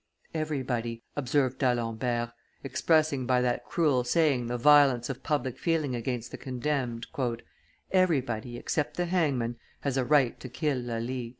"Everybody," observed D'Alembert, expressing by that cruel saying the violence of public feeling against the condemned, "everybody, except the hangman, has a right to kill Lally."